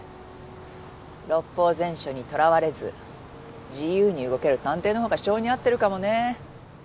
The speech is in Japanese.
「六法全書」にとらわれず自由に動ける探偵のほうが性に合ってるかもね。